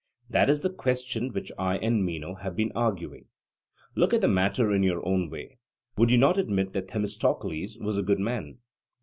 That is the question which I and Meno have been arguing. Look at the matter in your own way: Would you not admit that Themistocles was a good man?